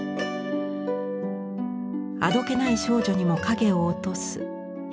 あどけない少女にも影を落とす貧富の差。